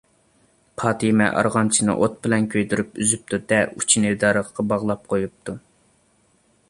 پاتىمە ئارغامچىنى ئوت بىلەن كۆيدۈرۈپ ئۈزۈپتۇ-دە، ئۇچىنى دەرەخكە باغلاپ قويۇپتۇ.